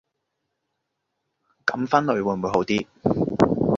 噉分類會唔會好啲